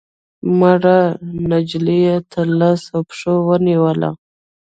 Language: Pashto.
مړه نجلۍ يې تر لاسو او پښو ونيوله